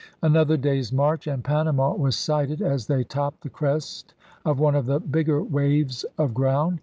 Another day's march and Panama was sighted as they topped the crest of one of the bigger waves of ground.